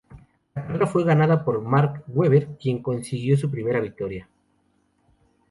La carrera fue ganada por Mark Webber, quien consiguió su primera victoria.